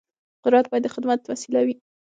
قدرت باید د خدمت وسیله وي